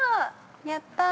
やったー。